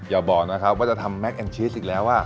อย่าบอกนะครับว่าจะทำแม็กแอนชีสอีกแล้ว